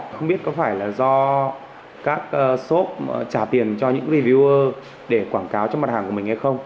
không biết có phải là do các shop trả tiền cho những video để quảng cáo cho mặt hàng của mình hay không